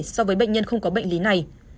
so với bệnh nhân không có bệnh lý này